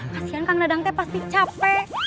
kasian kang dadang pasti capek